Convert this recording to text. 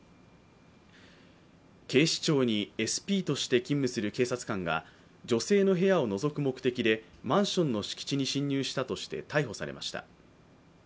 警視庁にＳＰとして勤務する警察官が女性の部屋をのぞく目的でマンションの敷地に侵入したとして逮捕されました。